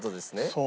そう。